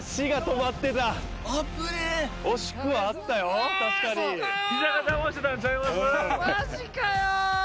マジかよ！